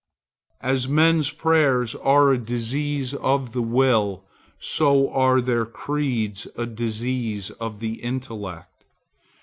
As men's prayers are a disease of the will, so are their creeds a disease of the intellect.